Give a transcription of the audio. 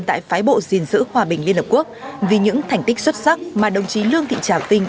tại phái bộ dình giữ hòa bình liên hợp quốc vì những thành tích xuất sắc mà đồng chí lương thị trào vinh